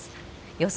予想